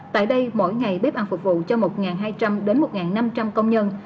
tại đây mỗi ngày bếp ăn phục vụ cho một hai trăm linh đến một năm trăm linh công nhân